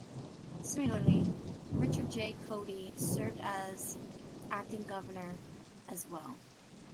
Similarly, Richard J. Codey served as acting governor as well.